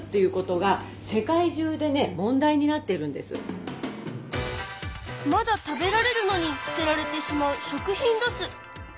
実はまだ食べられるのに捨てられてしまう食品ロス。